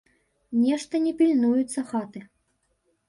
Нешта не пільнуецца хаты.